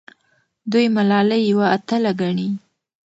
دوی ملالۍ یوه اتله ګڼي.